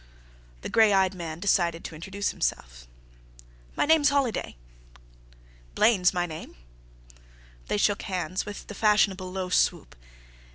The gray eyed man decided to introduce himself. "My name's Holiday." "Blaine's my name." They shook hands with the fashionable low swoop.